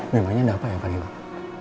memangnya ada apa ya pak limang